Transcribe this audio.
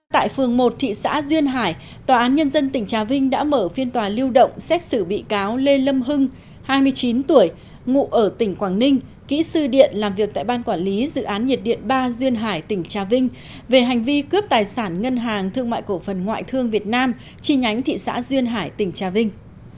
tại phường một thị xã duyên hải tòa án nhân dân tỉnh trà vinh đã mở phiên tòa lưu động xét xử bị cáo lê lâm hưng hai mươi chín tuổi ngụ ở tỉnh quảng ninh kỹ sư điện làm việc tại ban quản lý dự án nhiệt điện ba duyên hải tỉnh trà vinh về hành vi cướp tài sản ngân hàng thương mại cổ phần ngoại thương việt nam chi nhánh thị xã duyên hải tỉnh trà vinh